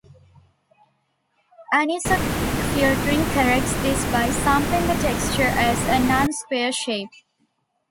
Anisotropic filtering corrects this by sampling the texture as a non-square shape.